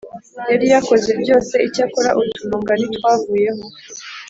yari yarakoze byose Icyakora utununga ntitwavuyeho